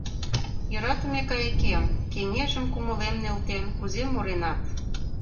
— Йӧратыме кайыкем, кеҥежым кумылем нӧлтен, кузе муренат!»